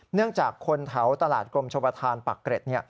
เนื่องจากคนเฉาตลาดกลมชบทานปรักเกร็ด